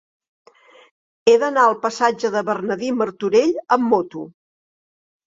He d'anar al passatge de Bernardí Martorell amb moto.